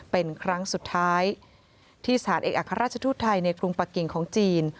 เป็นครั้งสุดท้ายที่สถานเอกอัครราชทูตไทยในกรุงปะกิ่งของจีน